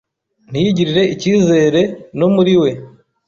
ntiyigirire icyizere no mmuri we